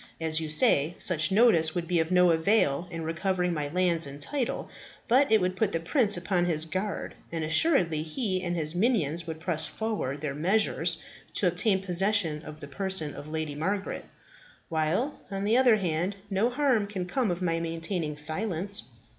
As you say, such notice would be of no avail in recovering my lands and title, but it would put the prince upon his guard; and assuredly he and his minions would press forward their measures to obtain possession of the person of the Lady Margaret; while, on the other hand, no harm can come of my maintaining silence."